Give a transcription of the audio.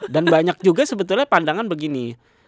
dan banyak juga sebetulnya pandangan begini